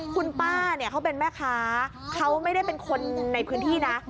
คุณป้าเนี่ยเขาเป็นแม่ค้าเขาไม่ได้เป็นคนในพื้นที่นะ